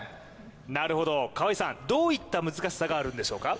なるほど川合さんどういった難しさがありますか？